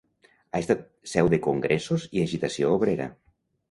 Ha estat seu de congressos i agitació obrera.